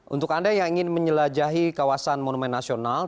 untuk anda yang ingin menjelajahi kawasan monumen nasional